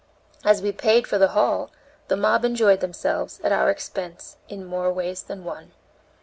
As we paid for the hall, the mob enjoyed themselves, at our expense, in more ways than one.